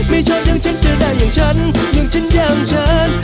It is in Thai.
ไม่ชอบอย่างฉันจะได้อย่างฉันอย่างฉันอย่างฉัน